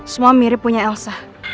semua mirip punya elsa